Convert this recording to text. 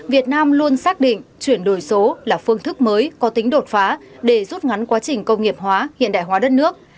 việt nam luôn xác định chuyển đổi số là phương thức mới có tính đột phá để rút ngắn quá trình công nghiệp hóa hiện đại hóa đất nước